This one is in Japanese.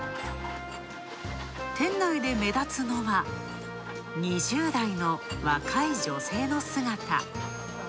店内で目立つのは、２０代の若い女性の姿。